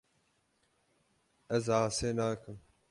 Ez asê nakim.